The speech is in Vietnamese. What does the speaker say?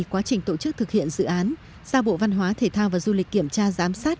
quá trình tổ chức thực hiện dự án ra bộ văn hóa thể thao và du lịch kiểm tra giám sát